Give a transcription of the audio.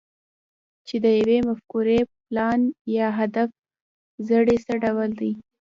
چې د يوې مفکورې، پلان، يا هدف زړی څه ډول دی؟